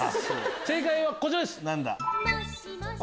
正解はこちらです。